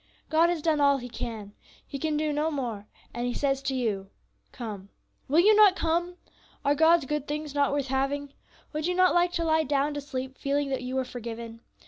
God has done all He can, He can do no more, and He says to you, 'Come!' Will you not come? Are God's good things not worth having? Would you not like to lie down to sleep, feeling that you were forgiven?